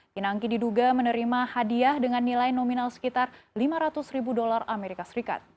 pinangki diduga menerima hadiah dengan nilai nominal sekitar lima ratus ribu dolar as